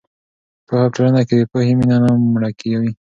پوهه په ټولنه کې د پوهې مینه نه مړه کوي.